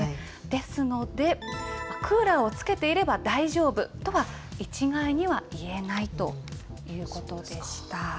ですので、クーラーをつけていれば大丈夫とは一概には言えないということでした。